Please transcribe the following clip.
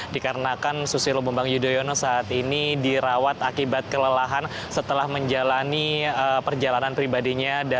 dikarenakan susilo bambang yudhoyono saat ini dirawat akibat kelelahan setelah menjalani perjalanan pribadinya